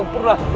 kita ketemu di